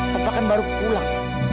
papa kan baru pulang